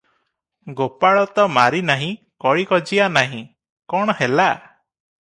ଗୋପାଳ ତ ମାରି ନାହିଁ, କଳି କଜିଆ ନାହିଁ, କଣ ହେଲା?